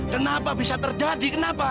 kenapa bisa terjadi kenapa